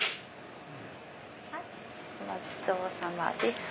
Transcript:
お待ちどおさまです。